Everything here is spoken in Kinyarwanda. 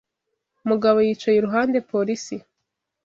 Mugabo yicaye iruhande polisi